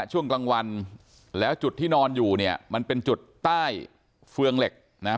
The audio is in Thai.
ช่วงกลางวันแล้วจุดที่นอนอยู่เนี่ยมันเป็นจุดใต้เฟืองเหล็กนะฮะ